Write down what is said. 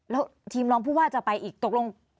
แล้วทีมรองผู้ว่าจะไปอีกตกลง